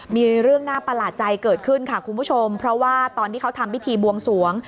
มีเรื่องน่าประหลาดใจเกิดขึ้นค่ะคุณผู้ชมเพราะว่าตอนที่เขาทำพิธีบวงสวง